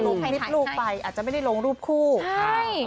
คลิปลูกไปอาจจะไม่ได้ลงรูปคู่ใช่